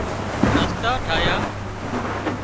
رستا ٺاهيا